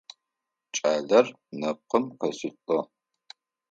Кӏалэр нэпкъым къесылӏэ.